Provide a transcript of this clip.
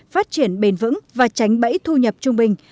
phát triển bền vững và tránh bẫy thu nhập trung bình